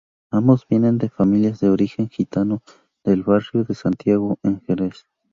Ambos vienen de familias de origen gitano del barrio de Santiago en Jerez.